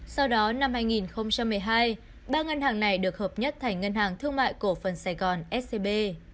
sau đó năm hai nghìn một mươi hai ba ngân hàng này được hợp nhất thành ngân hàng thương mại cổ phần sài gòn scb